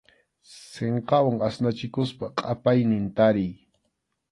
Sinqawan asnachikuspa qʼapaynin tariy.